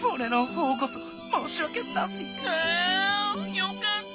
よかった！